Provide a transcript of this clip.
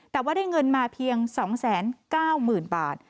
แต่ว่าได้เงินมาเพียง๒๙๐๐๐๐บาท